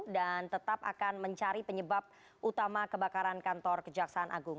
dan tetap akan mencari penyebab utama kebakaran kantor kejaksaan agung